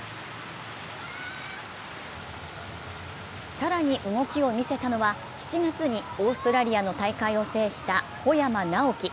更に動きを見せたのは、７月にオーストラリアの大会を制した小山直城。